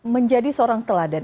menjadi seorang teladan